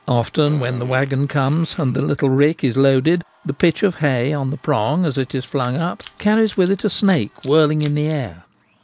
Often when the waggon comes, and the little rick is loaded, the ' pitch ' of hay on the prong as it is flung up carries with it a snake whirling in the air.